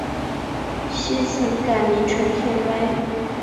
昔曾改名陈天崴。